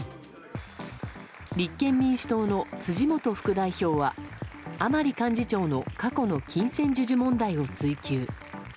立憲民主党の辻元副代表は甘利幹事長の過去の金銭授受問題を追及。